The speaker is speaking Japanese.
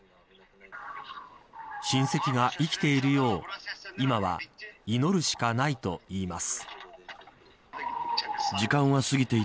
親戚が生きているよう、今は祈るしかないといいます。